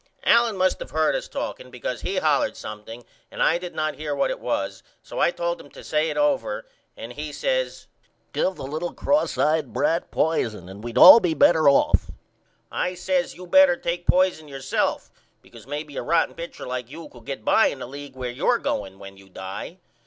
Allen must of heard us talking because he hollered something and I did not hear what it was so I told him to say it over and he says Give the little X eyed brat poison and we would all be better off. I says You better take poison yourself because maybe a rotten pitcher like you could get by in the league where you're going when you die.